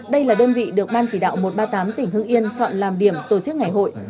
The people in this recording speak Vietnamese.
đây là đơn vị được ban chỉ đạo một trăm ba mươi tám tỉnh hưng yên chọn làm điểm tổ chức ngày hội